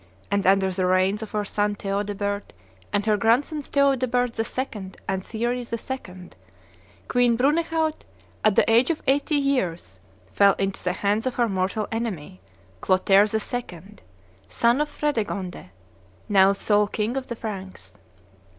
and under the reigns of her son Theodebert, and her grandsons Theodebert II. and Thierry II., Queen Brunehaut, at the age of eighty years, fell into the hands of her mortal enemy, Clotaire II., son of Fredegonde, now sole king of the Franks.